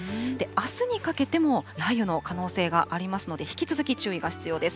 あすにかけても雷雨の可能性がありますので、引き続き注意が必要です。